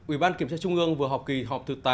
ủy ban kiểm tra trung ương vừa họp kỳ họp thứ tám